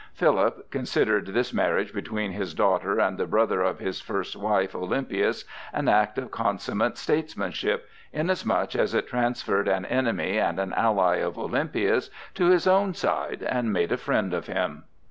Philip considered this marriage between his daughter and the brother of his first wife, Olympias, an act of consummate statesmanship, inasmuch as it transferred an enemy and an ally of Olympias to his own side and made a friend of him.